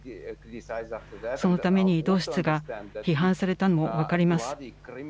そのためにドーシチが批判されたのも分かります。